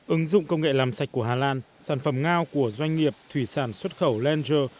ứng dụng công nghệ làm sạch của hà lan sản phẩm ngao của doanh nghiệp thủy sản xuất khẩu langer